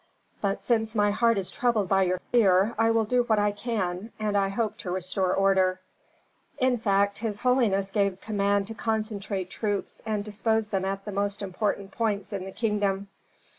But since my heart is troubled by your fear I will do what I can, and I hope to restore order." In fact his holiness gave command to concentrate troops and dispose them at the most important points in the kingdom.